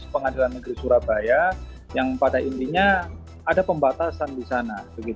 pengadilan negeri surabaya yang pada intinya ada pembatasan di sana